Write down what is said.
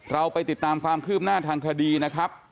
เราไปติดตามความคืบหน้าทางคดีนะครับ